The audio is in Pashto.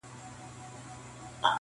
د ویر او ماتم په دې سختو شېبو کي هم -